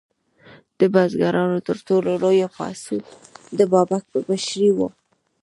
د بزګرانو تر ټولو لوی پاڅون د بابک په مشرۍ و.